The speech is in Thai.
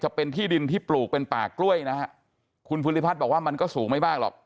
จะเป็นที่ดินที่ปลูกเป็นป่ากล้วยนะฮะคุณภูริพัฒน์บอกว่ามันก็สูงไม่มากหรอก